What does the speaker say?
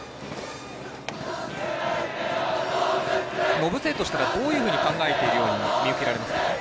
延末としては、どういうふうに考えているように見受けられますか？